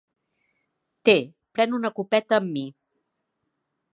Té, pren una copeta amb mi.